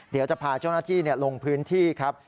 เดี๋ยวจะพาเจ้าหน้าที่ลงพื้นที่ครับ